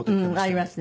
ありますね。